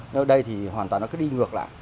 nơi đây thì hoàn toàn nó cứ đi ngược lại